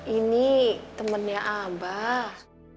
ini temennya abah